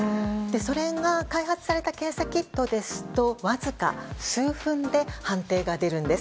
それが、開発された検査キットですとわずか数分で判定が出るんです。